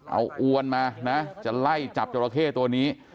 เอาอวนมานะจะไล่จับจราเข้ตัวนี้